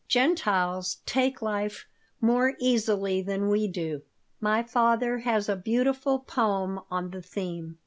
Gentiles take life more easily than we do. My father has a beautiful poem on the theme.